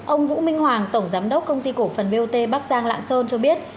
ông vũ minh hoàng tổng giám đốc công ty cổ phần bot bắc giang lạng sơn cho biết